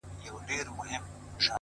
زه مي د ژوند كـتـاب تــه اور اچــــــوم،